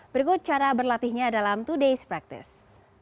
berikut cara berlatihnya dalam today's practice